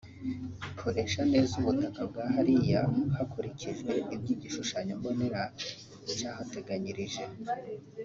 ikoresha neza ubutaka bwa hariya hakurikijwe ibyo igishushanyo mbonera cyahateganyirije